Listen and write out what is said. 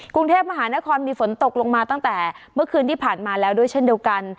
กรุงเทพมหานครมีฝนตกลงมาตั้งแต่เมื่อคืนที่ผ่านมาแล้วด้วยเช่นเดียวกัน